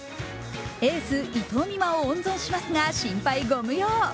エース・伊藤美誠を温存しますが心配ご無用。